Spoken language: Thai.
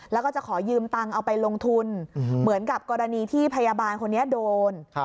แล้วก็จะขอยืมตังค์เอาไปลงทุนเหมือนกับกรณีที่พยาบาลคนนี้โดน